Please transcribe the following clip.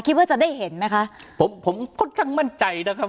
คิดว่าจะได้เห็นไหมคะผมผมค่อนข้างมั่นใจนะครับ